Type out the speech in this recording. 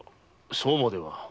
そうまでは。